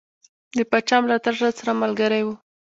د پاچا ملاتړ راسره ملګری وو.